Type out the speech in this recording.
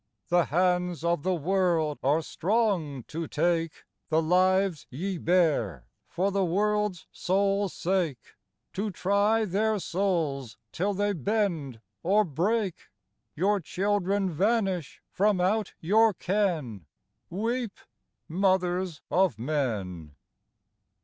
The hands of the world are strong to take The lives ye bear for the world's sole sake, To try their souls till they bend or break : Your children vanish from out your ken Weep, mothers of men